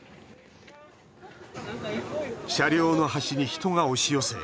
車両の端に人が押し寄せ